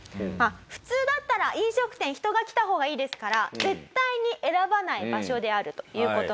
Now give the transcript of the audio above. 普通だったら飲食店人が来た方がいいですから絶対に選ばない場所であるという事なんですね。